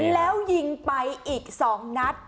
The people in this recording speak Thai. แล้วยิงไปอีก๒นัด